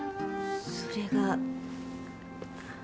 それが。